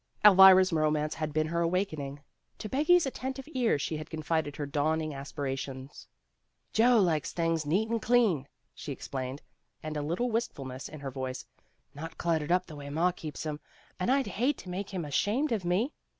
Elvira's romance had been her awakening. To Peggy's attentive ear she had confided her dawning aspirations. "Joe likes things neat and clean, '' she explained, a little wistf ulness in her voice. "Not cluttered up the way Ma keeps 'em. And I'd hate to make him ashamed of me."